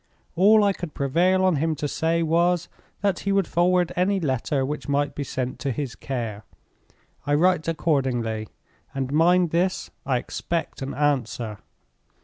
All I could prevail on him to say was, that he would forward any letter which might be sent to his care. I write accordingly, and mind this, I expect an answer.